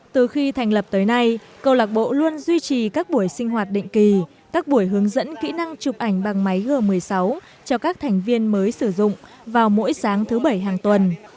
từ khi thành lập tới nay câu lạc bộ luôn duy trì các buổi sinh hoạt định kỳ các buổi hướng dẫn kỹ năng chụp ảnh bằng máy g một mươi sáu cho các thành viên mới sử dụng vào mỗi sáng thứ bảy hàng tuần